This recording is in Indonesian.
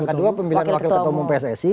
yang kedua pemilihan wakil ketua umum pssi